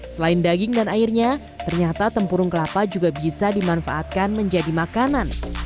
selain daging dan airnya ternyata tempurung kelapa juga bisa dimanfaatkan menjadi makanan